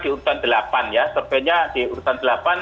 di urutan delapan ya surveinya di urutan delapan